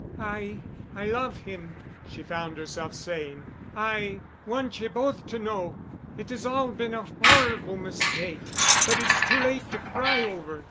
"I—I love him," she found herself saying. "I—want you both to know. It has all been a horrible mistake—But it's too late to cry over.